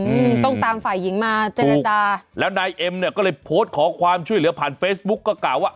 อืมต้องตามฝ่ายหญิงมาเจรจาแล้วนายเอ็มเนี้ยก็เลยโพสต์ขอความช่วยเหลือผ่านเฟซบุ๊กก็กล่าวว่า